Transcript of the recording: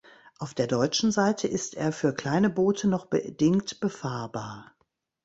Auf der deutschen Seite ist er für kleine Boote noch bedingt befahrbar.